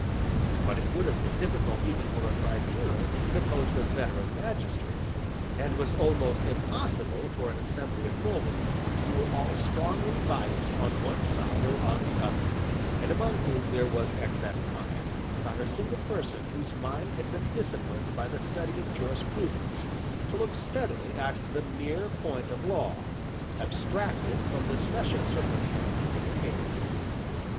But it would have been difficult even for a tribunal composed of veteran magistrates, and was almost impossible for an assembly of noblemen who were all strongly biassed on one side or on the other, and among whom there was at that time not a single person whose mind had been disciplined by the study of jurisprudence, to look steadily at the mere point of law, abstracted from the special circumstances of the case.